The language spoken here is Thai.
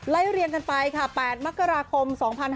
เรียงกันไปค่ะ๘มกราคม๒๕๕๙